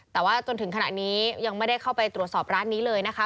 แต่ว่าจนถึงขณะนี้ยังไม่ได้เข้าไปตรวจสอบร้านนี้เลยนะคะ